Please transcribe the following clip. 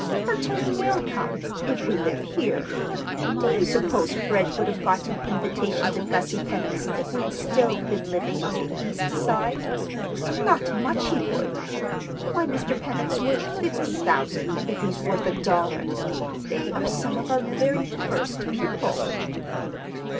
"Her turn will come—if we live here. Do you suppose Fred would have got an invitation to Gussie Pennock's if we'd still been living on the East Side? Not much he would! Why, Mr. Pennock's worth fifty thousand, if he's worth a dollar! They are some of our very first people."